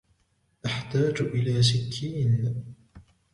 أحتاج الى سكين.